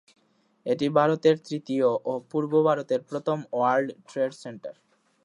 এটি ভারতের তৃতীয় ও পূর্ব ভারত এর প্রথম ওয়ার্ল্ড ট্রেড সেন্টার।